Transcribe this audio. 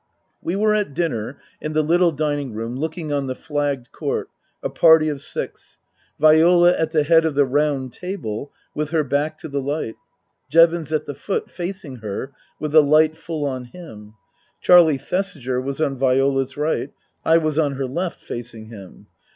We were at dinner in the little dining room looking on the flagged court, a party of six : Viola at the head of the round table, with her back to the light ; Jevons at the foot, facing her, with the light full on him ; Charlie Thesiger was on Viola's right, I was on her left, facing him.